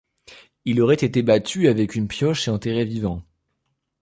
Il aurait été battu avec une pioche et enterré vivant.